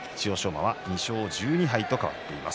馬は２勝１２敗と変わっています。